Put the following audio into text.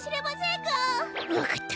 わかった！